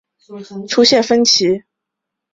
该公告所述和原先的赛程出现分歧。